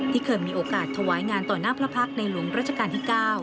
ที่เคยมีโอกาสถวายงานต่อหน้าพระพักษ์ในหลวงรัชกาลที่๙